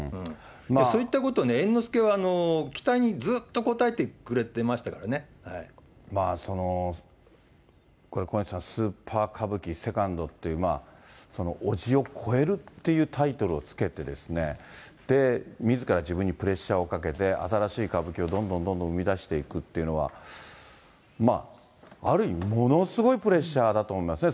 そういったことね、猿之助は期待にずっと応えてくれてましたからこれ、小西さん、スーパー歌舞伎セカンドっていう、伯父を越えるっていうタイトルを付けてですね、みずから自分にプレッシャーをかけて、新しい歌舞伎をどんどんどんどん生み出していくってのは、ある意味、ものすごいプレッシャーだと思いますね。